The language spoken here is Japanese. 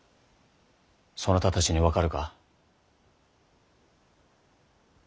そなたたちに分かるか？